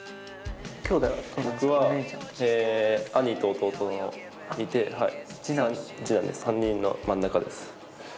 僕は兄と弟がいて、次男です、３人の真ん中です。